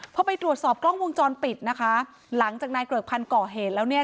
พอไปตรวจสอบกล้องวงจรปิดนะคะหลังจากนายเกริกพันธ์ก่อเหตุแล้วเนี่ย